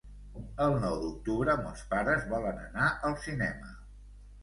El nou d'octubre mons pares volen anar al cinema.